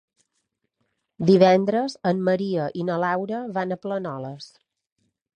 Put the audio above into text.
Divendres en Maria i na Laura van a Planoles.